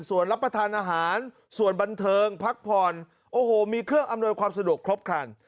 ส่วนรับประทานอาหารส่วนบันเทิงพักผ่อนโอ้โหมีเครื่องอำนวยความสะดวกครบครัน